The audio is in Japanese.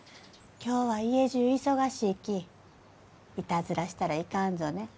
今日は家じゅう忙しいき。いたずらしたらいかんぞね。